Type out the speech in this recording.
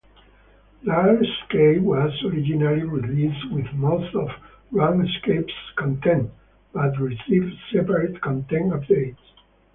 "DarkScape" was originally released with most of "RuneScape's" content, but received separate content updates.